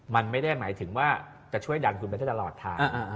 มันไม่ได้หมายถึงว่าจะช่วยดันคุณไปได้ตลอดทาง